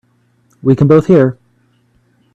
We can both hear.